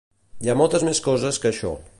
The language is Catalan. Hi ha moltes més coses que això.